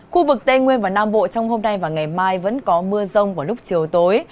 khu vực tây nguyên và nam bộ trong hôm nay và ngày mai vẫn có mưa rông vào lúc chiều tối